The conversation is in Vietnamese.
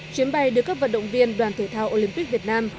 chuyến bay đưa các vận động viên đoàn thể thao olympic việt nam